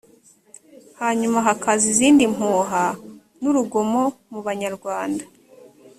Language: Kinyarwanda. hanyuma hakaza izindi mpuha n’urugomo mu banyarwanda